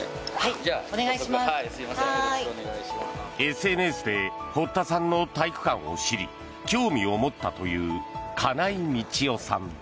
ＳＮＳで堀田さんの体育館を知り興味を持ったという金井みちよさん。